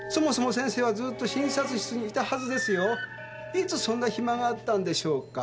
いつそんな暇があったんでしょうか？